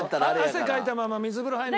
汗かいたまま水風呂入るの。